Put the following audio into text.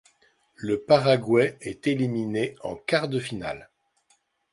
Le Paraguay est éliminé en quarts-de-finale.